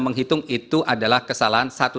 menghitung itu adalah kesalahan satu